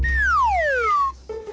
jangan terlalu banyak